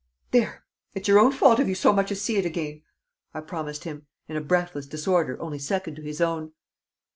"There! It's your own fault if you so much as see it again," I promised him, in a breathless disorder only second to his own.